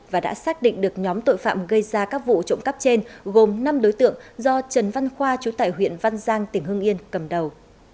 và đã xác định được nhóm tội phạm gây ra các vụ trộm cắp trên gồm năm đối tượng do trần văn khoa chú tải huyện văn giang tỉnh hưng yên cầm đầu